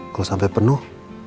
kalau sampai penuh